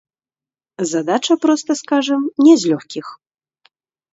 Задача, проста скажам, не з лёгкіх.